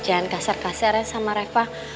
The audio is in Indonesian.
jangan kasar kasarnya sama reva